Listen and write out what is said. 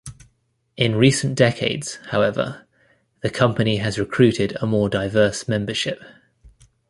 In recent decades, however, the Company has recruited a more diverse membership.